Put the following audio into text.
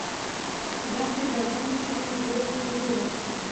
دښتې د افغان ماشومانو د لوبو موضوع ده.